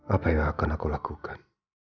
apa yang akan aku lakukan